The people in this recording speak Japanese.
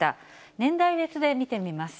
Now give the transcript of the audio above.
年代別で見てみます。